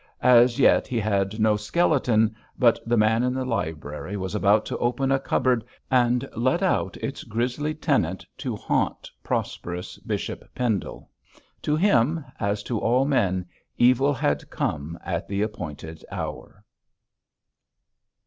As yet he had no skeleton, but the man in the library was about to open a cupboard and let out its grisly tenant to haunt prosperous Bishop Pendle. To him, as to all men, evil had come at the appointed hour.